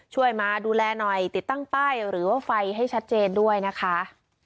ช่วยมาดูแลหน่อยติดตั้งป้ายหรือว่าไฟให้ชัดเจนด้วยนะคะ